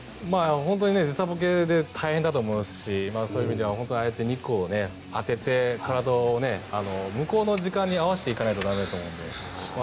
本当に時差ぼけで大変だと思いますしそういう意味ではああやって日光を当てて体を向こうの時間に合わせていかないと駄目だと思うので。